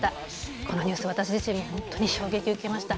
このニュース私自身も衝撃を受けました。